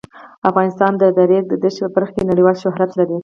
افغانستان د د ریګ دښتې په برخه کې نړیوال شهرت لري.